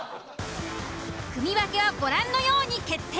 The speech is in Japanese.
組分けはご覧のように決定。